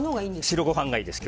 白ご飯がいです。